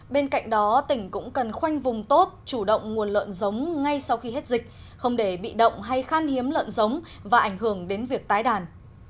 bên cạnh đó tỉnh cũng cần khoanh vùng tốt chủ động nguồn lợn giống ngay sau khi hết dịch không để bị động hay khan hiếm lợn giống và ảnh hưởng đến việc tái đàn